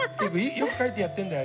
良く描いてやってんだよ